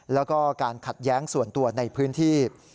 แล้วก็การขัดแย้งส่วนตัวในพื้นที่